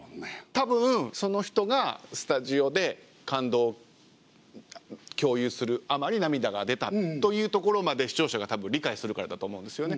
たぶんその人がスタジオで感動共有するあまり涙が出たというところまで視聴者がたぶん理解するからだと思うんですよね。